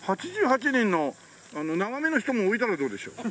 ８８人の生身の人も置いたらどうでしょう？